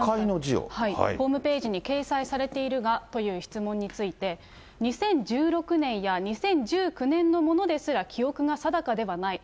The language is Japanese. ホームページに掲載されているがという質問について、２０１６年や２０１９年のものですら記憶が定かではない。